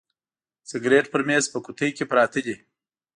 سګرېټ پر میز په قوطۍ کي پراته دي.